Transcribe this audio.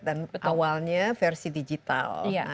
dan awalnya versi digital